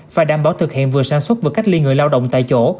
phải đảm bảo thực hiện vừa sản xuất vừa cách ly người lao động tại chỗ